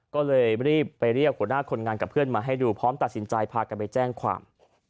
ก็เลยรีบไปเรียกหัวหน้าคนงานกับเพื่อนมาให้ดูพร้อมตัดสินใจพากันไปแจ้งความ